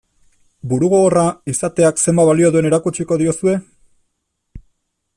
Burugogorra izateak zenbat balio duen erakutsiko diozue?